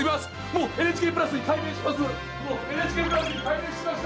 もうＮＨＫプラスに改名しました！